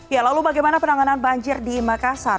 ya lalu bagaimana penanganan banjir di makassar